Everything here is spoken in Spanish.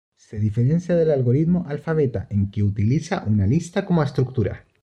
Se diferencia del algoritmo alfa-beta en que utiliza una lista como estructura.